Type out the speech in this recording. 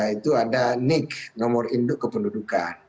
itu ada nik nomor induk kependudukan